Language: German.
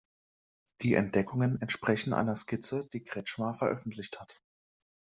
Die Entdeckungen entsprechen einer Skizze, die Kretschmar veröffentlicht hat.